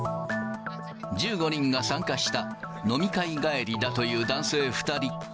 １５人が参加した飲み会帰りだという男性２人。